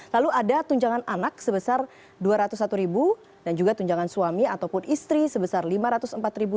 lalu ada tunjangan anak sebesar rp dua ratus satu dan juga tunjangan suami ataupun istri sebesar rp lima ratus empat puluh